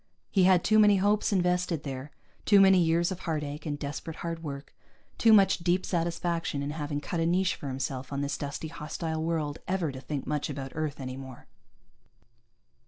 He had too many hopes invested there, too many years of heartache and desperate hard work, too much deep satisfaction in having cut a niche for himself on this dusty, hostile world, ever to think much about Earth any more.